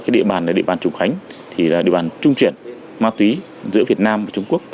địa bàn trùng khánh là địa bàn trung chuyển ma túi giữa việt nam và trung quốc